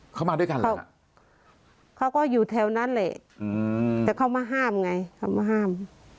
เขามาด้วยกันเหรอเขาก็อยู่แถวนั้นแหละแต่เขามาห้ามไงเขามาห้าม